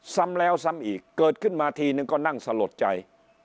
ซ้ำแล้วซ้ำอีกเกิดขึ้นมาทีนึงก็นั่งสลดใจ